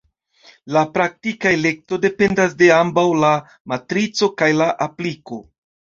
La praktika elekto dependas de ambaŭ la matrico kaj la apliko.